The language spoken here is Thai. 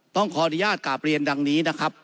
ต้องขออนุญาตกราบเรียนดังนี้นะครับ